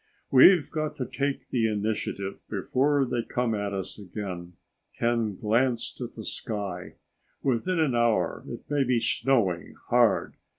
"We've got to take the initiative before they come at us again." Ken glanced at the sky. "Within an hour it may be snowing hard.